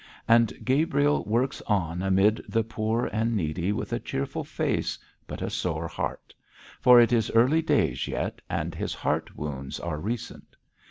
And Gabriel works on amid the poor and needy with a cheerful face but a sore heart; for it is early days yet, and his heart wounds are recent.